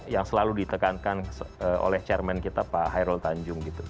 yang selalu ditekankan oleh chairman kita pak hairul tanjung gitu